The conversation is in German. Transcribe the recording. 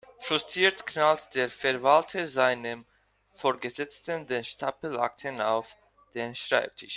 Frustriert knallt der Verwalter seinem Vorgesetzten den Stapel Akten auf den Schreibtisch.